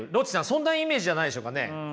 そんなイメージじゃないでしょうかね。